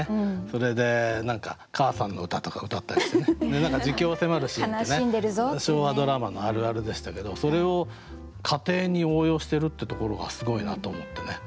それで何か「かあさんの歌」とか歌ったりしてね何か自供を迫るシーンってね昭和ドラマのあるあるでしたけどそれを家庭に応用してるっていうところがすごいなと思ってね。